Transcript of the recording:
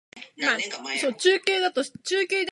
払い戻しの規約なんてあったか？